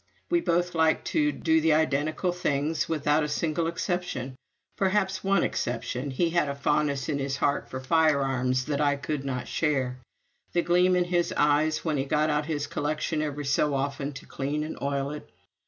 We both liked to do the identical things, without a single exception. Perhaps one exception he had a fondness in his heart for firearms that I could not share. (The gleam in his eyes when he got out his collection every so often to clean and oil it!)